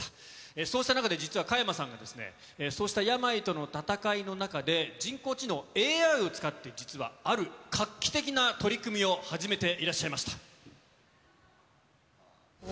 そうした中で実は加山さんが、そうした病との闘いの中で、人工知能・ＡＩを使って実は、ある画期的な取り組みを始めていらっしゃいました。